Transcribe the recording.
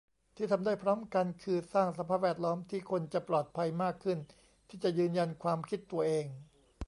ที่ทำได้พร้อมกัน คือสร้างสภาพแวดล้อมที่คนจะปลอดภัยมากขึ้นที่จะยืนยันความคิดตัวเอง